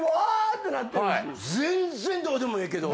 全然どうでもええけど。